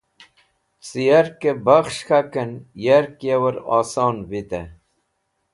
Cẽ yarkẽ bakhs̃h k̃hakẽn yark yavẽr oson vitẽ.